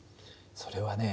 それはね